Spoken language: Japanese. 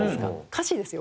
歌詞ですよ？